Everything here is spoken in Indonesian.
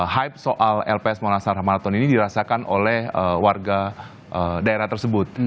hype soal lps monasara marathon ini dirasakan oleh warga daerah tersebut